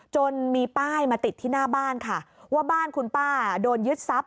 จนมีป้ายมาติดที่หน้าบ้านค่ะว่าบ้านคุณป้าโดนยึดทรัพย